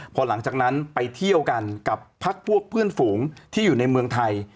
พอหลังจากนั้นไปเที่ยวกันกับพักพวกเพื่อนฝูงที่อยู่ในเมืองไทย